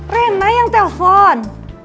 renna yang telpon